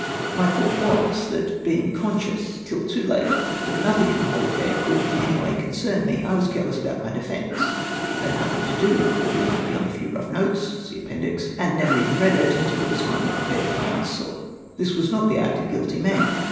My fault was, that being conscious — till too late — that nothing in the whole affair coidd in any way con cern me — I was careless about my defence — had no thing to do with the brief beyond a few rough notes (see Appendix) — and never even read it after it was finahy prepared for counsel. This was not the act of a guilty man.